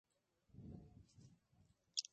El máximo órgano es el congreso del partido.